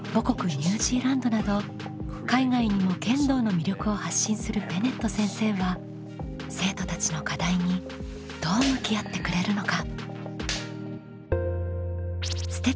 ニュージーランドなど海外にも剣道の魅力を発信するベネット先生は生徒たちの課題にどう向き合ってくれるのか？